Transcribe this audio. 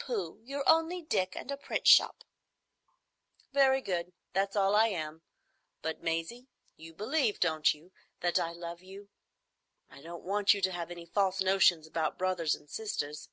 "Pooh! You're only Dick,—and a print shop." "Very good: that's all I am. But, Maisie, you believe, don't you, that I love you? I don't want you to have any false notions about brothers and sisters."